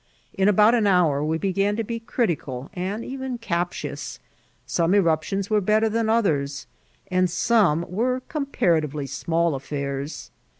In about an hour we began to be critical and even captious. Some eruptions were better than others, and some were comparatively small affiinrs.